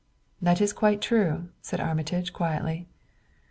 "That is quite true," said Armitage quietly.